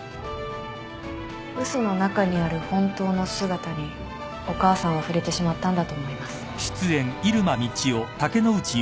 嘘の中にある本当の姿にお母さんは触れてしまったんだと思います。